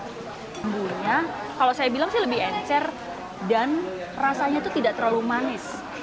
bumbunya kalau saya bilang sih lebih encer dan rasanya itu tidak terlalu manis